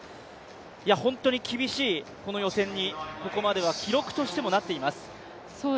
本当に厳しいこの予選にここまでは記録としてもなっています。